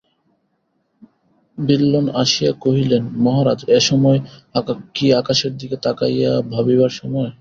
বিল্বন আসিয়া কহিলেন, মহারাজ, এ সময় কি আকাশের দিকে তাকাইয়া ভাবিবার সময়।